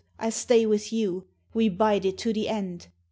I stay with you; We bide it to the end."